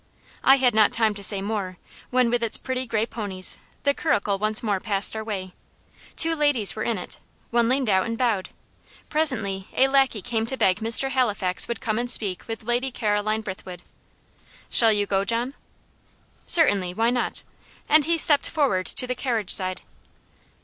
I had not time to say more, when, with its pretty grey ponies, the curricle once more passed our way. Two ladies were in it: one leaned out and bowed. Presently a lacquey came to beg Mr. Halifax would come and speak with Lady Caroline Brithwood. "Shall you go, John?" "Certainly why not?" And he stepped forward to the carriage side.